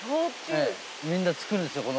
みんな作るんですよ。